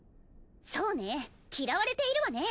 そうね嫌われているわね。